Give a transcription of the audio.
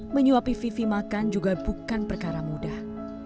menyuapi vivi makan juga bukan perkara mudah